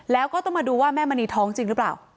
แล้วก็ต้องมาดูว่าแม่มณีท้องจริงหรือเปล่า